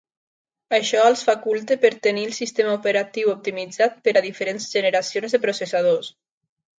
Això els faculta per tenir el sistema operatiu optimitzat per a diferents generacions de processadors.